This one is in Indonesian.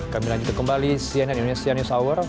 kami lanjutkan kembali cnn indonesia news hour